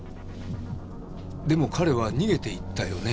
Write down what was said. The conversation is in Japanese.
でも彼は逃げていったよね？